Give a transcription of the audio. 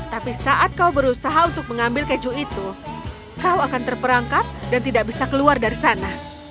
tapi saat kau berusaha untuk mengambil keju itu kau akan terperangkap dan tidak bisa keluar dari sana